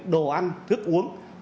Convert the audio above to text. đồ ăn thức uống